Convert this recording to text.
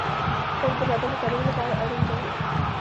خوب د بدن د ترمیم لپاره اړین دی